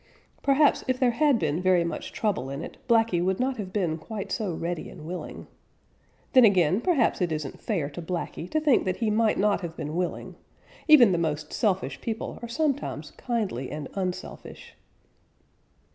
Perhaps if there had been very much trouble in it, Blacky would not have been quite so ready and willing. Then again, perhaps it isn't fair to Blacky to think that he might not have been willing. Even the most selfish people are sometimes kindly and unselfish.